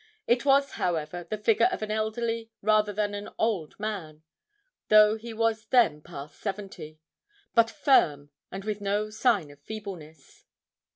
It was, however, the figure of an elderly rather than an old man though he was then past seventy but firm, and with no sign of feebleness.